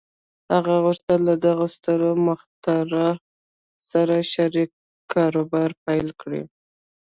هغه غوښتل له دغه ستر مخترع سره شريک کاروبار پيل کړي.